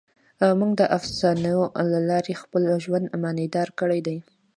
موږ د افسانو له لارې خپل ژوند معنیدار کړی دی.